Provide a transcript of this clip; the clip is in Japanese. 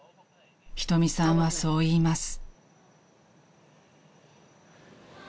［瞳さんはそう言います］